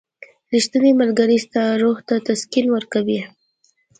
• ریښتینی ملګری ستا روح ته تسکین ورکوي.